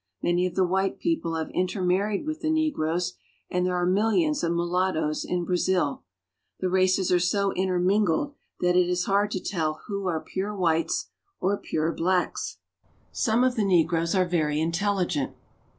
Many of the white people have intermarried with the negroes, and there are millions of mulattoes in Brazil. The races are so intermingled that it is hard to tell who are pure whites or pure blacks. Placer Mining. Some of the negroes are very intelligent.